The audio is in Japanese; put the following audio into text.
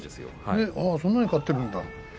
そんなに勝っているんだ。